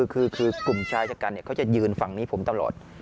คือกลุ่มชายชะกันเขาจะยืนฝั่งนี้ผมตลอด